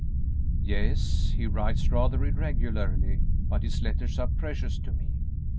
"Yes; he writes rather irregularly, but his letters are precious to me.